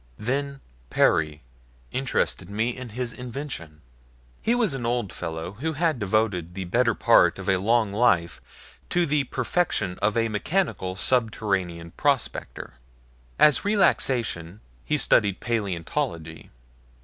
Then Perry interested me in his invention. He was an old fellow who had devoted the better part of a long life to the perfection of a mechanical subterranean prospector. As relaxation he studied paleontology.